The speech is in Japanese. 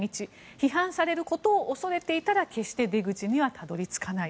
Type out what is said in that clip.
批判されることを恐れていたら決して出口にはたどり着かない。